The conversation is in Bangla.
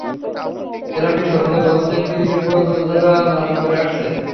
ক্লাবটি সর্বদাই প্রথম-শ্রেণীর ক্রিকেট মর্যাদা ধারণ করে আছে।